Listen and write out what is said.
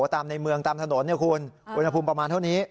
ตามในเมืองตามถนนคุณอุณหภูมิประมาณเท่านี้